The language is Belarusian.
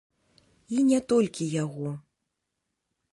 І не толькі яго.